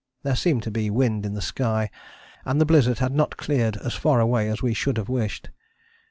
There seemed to be wind in the sky, and the blizzard had not cleared as far away as we should have wished.